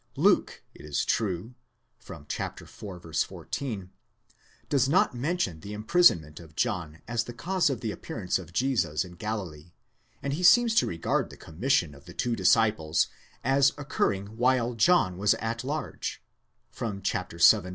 Luke, it is true (iv. 14), does not mention the imprisonment of John as the cause of the appearance of Jesus in Galileé, and he seems to regard the commission of the two disciples as occurring while John was at large (vii.